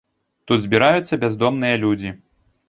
Тут збіраюцца бяздомныя людзі.